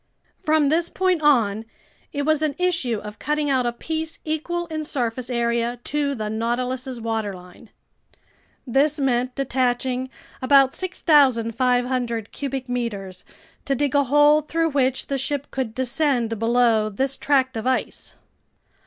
From this point on, it was an issue of cutting out a piece equal in surface area to the Nautilus's waterline. This meant detaching about 6,500 cubic meters, to dig a hole through which the ship could descend below this tract of ice.